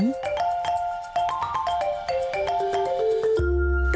และห้อยชายเป็นดอกจำปาประดับด้วยลูกประเกิมทองเหลือง